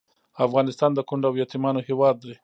افغانستان د کونډو او یتیمانو هیواد دی